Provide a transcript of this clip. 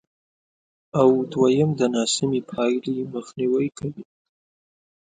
او دوېم د ناسمې پایلې مخنیوی کوي،